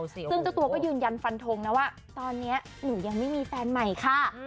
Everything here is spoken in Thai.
ซึ่งเจ้าตัวก็ยืนยันฟันทงนะว่าตอนนี้หนูยังไม่มีแฟนใหม่ค่ะ